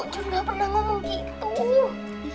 jun gak pernah ngomong gitu